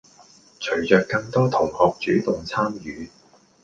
隨著更多同學主動參與